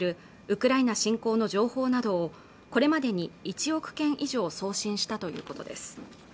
ウクライナ侵攻の情報などこれまでに１億件以上送信したということです